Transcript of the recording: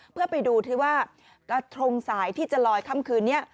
เพื่อไปดูที่ว่ากระทงสายที่จะลอยค่ำคืนนี้